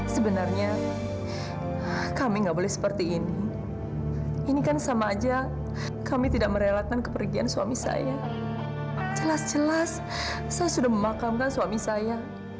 sampai jumpa di video selanjutnya